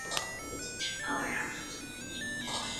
Aquella fue una etapa que recuerdo con especial cariño.